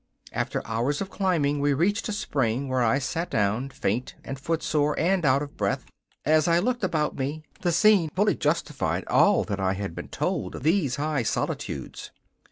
After hours of climbing we reached a spring, where I sat down, faint and footsore and out of breath. As I looked about me the scene fully justified all that I had been told of these high solitudes.